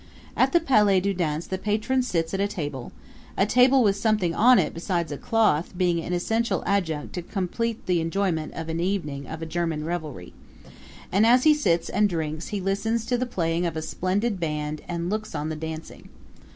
At the Palais du Danse the patron sits at a table a table with something on it besides a cloth being an essential adjunct to complete enjoyment of an evening of German revelry; and as he sits and drinks he listens to the playing of a splendid band and looks on at the dancing.